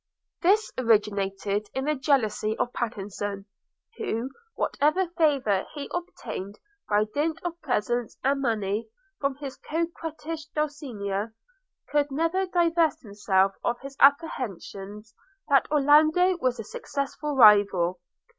This originated in the jealousy of Pattenson, who, whatever favour he obtained by dint of presents and money from his coquettish dulcinea, could never divest himself of his apprehensions that Orlando was a successful rival.